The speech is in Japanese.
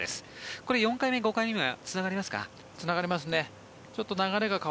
これは４回目、５回目にはつながりますか？